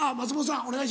お願いします。